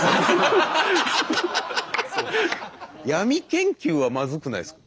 闇研究はまずくないですか。